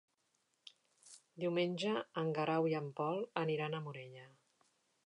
Diumenge en Guerau i en Pol aniran a Morella.